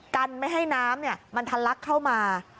กันไม่ให้น้ำมันทะลักเข้ามา